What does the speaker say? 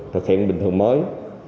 thực hiện bình thường mới